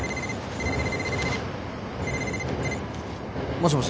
もしもし。